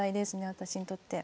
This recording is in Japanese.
私にとって。